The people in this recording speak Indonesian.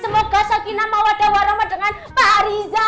semoga sakit nama wadah warama dengan pak riza